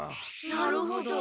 なるほど。